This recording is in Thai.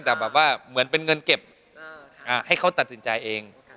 แต่แบบว่าเหมือนเป็นเงินเก็บให้เขาตัดสินใจเอง